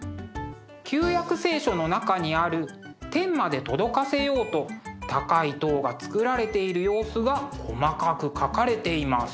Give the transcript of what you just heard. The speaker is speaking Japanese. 「旧約聖書」の中にある天まで届かせようと高い塔がつくられている様子が細かく描かれています。